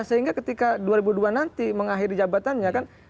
sehingga ketika dua ribu dua nanti mengakhiri jabatannya kan